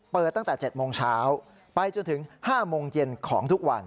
ตั้งแต่๗โมงเช้าไปจนถึง๕โมงเย็นของทุกวัน